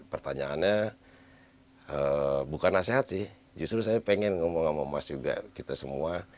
pertanyaannya bukan nasihat sih justru saya pengen ngomong sama mas juga kita semua